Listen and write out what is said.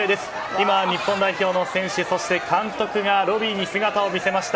今、日本代表の選手そして監督がロビーに姿を見せました。